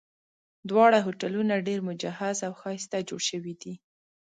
دواړه هوټلونه ډېر مجهز او ښایسته جوړ شوي دي.